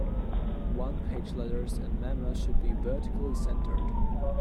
One-page letters and memos should be vertically centered.